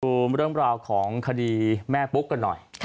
ดูเรื่องราวของคดีแม่ปุ๊กกันหน่อย